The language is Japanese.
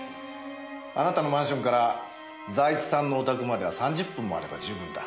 あなたのマンションから財津さんのお宅までは３０分もあれば十分だ。